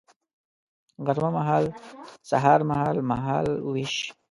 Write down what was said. غرمه مهال سهار مهال ، مهال ویش